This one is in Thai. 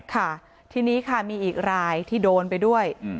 ค่ะทีนี้ค่ะมีอีกรายที่โดนไปด้วย